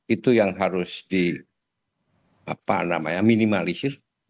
itu yang harus di minimalisir